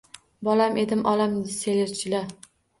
Bola edim – olam serjilo